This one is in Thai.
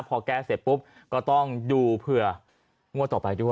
พอแก้เสร็จปุ๊บก็ต้องดูเผื่องวดต่อไปด้วย